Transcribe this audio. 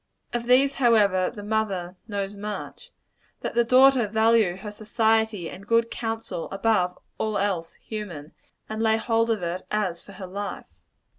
Of these, however, the mother knows much. Let the daughter value her society and good counsel above all else human, and lay hold of it as for her life.